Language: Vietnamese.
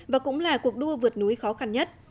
và cũng là cuộc đua vượt núi khó khăn nhất